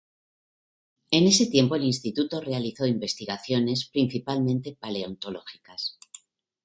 En ese tiempo, el Instituto realizó investigaciones principalmente paleontológicas.